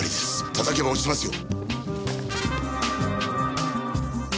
叩けば落ちますよ！